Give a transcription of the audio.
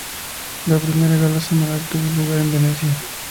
La primera gala semanal tuvo lugar en Venecia.